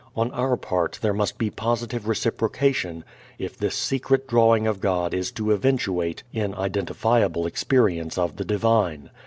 On our part there must be positive reciprocation if this secret drawing of God is to eventuate in identifiable experience of the Divine.